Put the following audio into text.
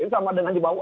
ini sama dengan juga umr